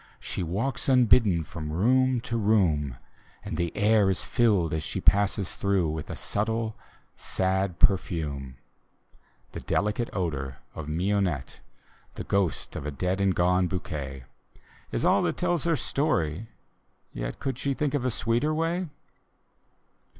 She walks unbidden frOm room to room, And the air is filled as ^e passes through With a subtle, sad perfume. D,gt,, erihyGOOgle A Newport Romance li The delicate odor of mignonette, The ghost of a dead and^;one bouquet, Is all that tells of her stoiy; yet Could she think of a sweeter way?